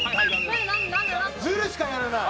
ズルしかやらない。